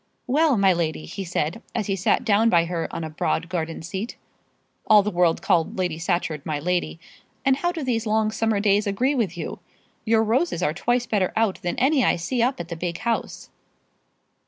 "Well, my lady," he said, as he sat down by her on a broad garden seat all the world called Lady Scatcherd "my lady," "and how do these long summer days agree with you? Your roses are twice better out than any I see up at the big house."